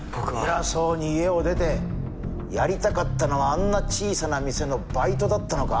偉そうに家を出てやりたかったのはあんな小さな店のバイトだったのか？